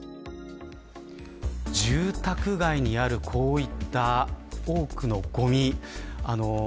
住宅街にあるこういった多くのごみ。